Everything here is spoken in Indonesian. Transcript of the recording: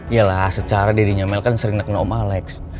yalah secara dadinya mel kan sering neken om alex